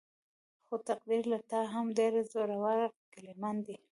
خو تقديره له تا هم ډېر زړونه ګيلمن دي.